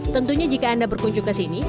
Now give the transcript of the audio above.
tentunya jika anda berkunjung ke sini